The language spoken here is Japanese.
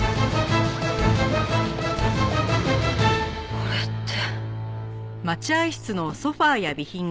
これって。